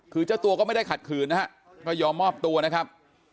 คือเจ้าตัวก็ไม่ได้ขัดขืนนะฮะก็ยอมมอบตัวนะครับ